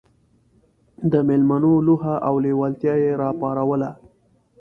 د مېلمنو لوهه او لېوالتیا یې راپاروله.